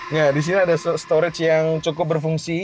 nah disini ada storage yang cukup berfungsi